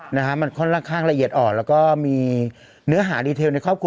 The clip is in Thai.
นะฮะมันค่อนข้างละเอียดอ่อนแล้วก็มีเนื้อหาดีเทลในครอบครัว